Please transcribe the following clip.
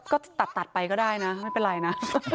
ก็ตัดไปก็ได้นะไม่เป็นไรนะ